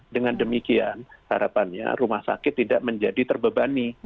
dengan demikian harapannya rumah sakit tidak menjadi terbebani